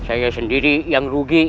aku sendiri yang rugi